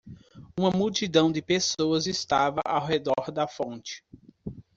Uma multidão de pessoas estava ao redor da fonte.